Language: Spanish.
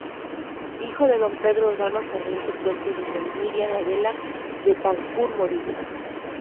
Hijo de Don Pedro Urbano Sarmiento Puente y Doña Miriam Adela Betancourt Morillas.